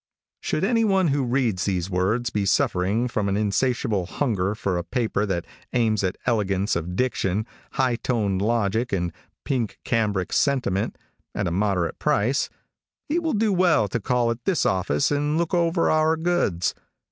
Should anyone who reads these words be suffering from an insatiable hunger for a paper that aims at elegance of diction, high toned logic and pink cambric sentiment, at a moderate price, he will do well to call at this office and look over our goods.